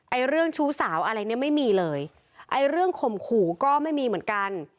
เรื่องชู้สาวอะไรเนี่ยไม่มีเลยไอ้เรื่องข่มขู่ก็ไม่มีเหมือนกัน